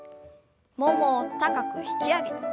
ももを高く引き上げて。